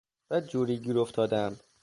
بدجوری گیر افتادهام.